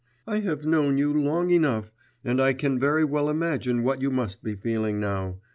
I have known you long enough, and I can very well imagine what you must be feeling now.